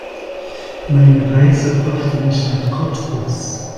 Meine Reise brachte mich nach Cottbus